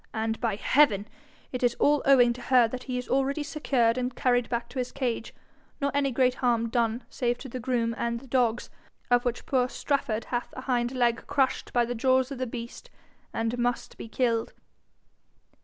And, by heaven! it is all owing to her that he is already secured and carried back to his cage, nor any great harm done save to the groom and the dogs, of which poor Strafford hath a hind leg crushed by the jaws of the beast, and must be killed.'